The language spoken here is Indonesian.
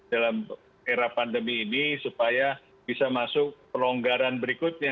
dalam era pandemi ini supaya bisa masuk pelonggaran berikutnya